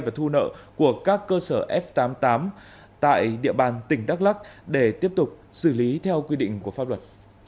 và thu nợ của các cơ sở f tám mươi tám tại địa bàn tỉnh đắk lắc để tiếp tục xử lý theo quy định của pháp luật